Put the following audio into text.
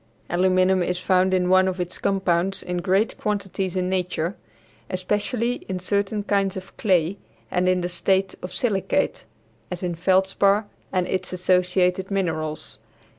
Aluminum is found in one of its compounds in great quantities in nature, especially in certain kinds of clay and in a state of silicate, as in feldspar and its associated minerals.